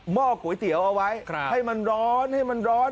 ห้อก๋วยเตี๋ยวเอาไว้ให้มันร้อนให้มันร้อน